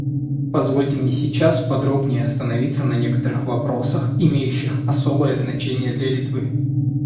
Позвольте мне сейчас подробнее остановиться на некоторых вопросах, имеющих особое значение для Литвы.